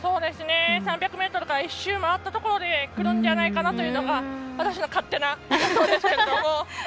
３００ｍから１周回ったところでくるんじゃないかなというのが私の勝手な予想ですが。